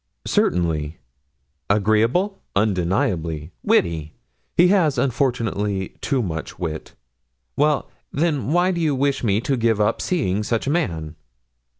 "Certainly." "Agreeable?" "Undeniably." "Witty?" "He has, unfortunately, too much wit." "Well, then, why do you wish me to give up seeing such a man?"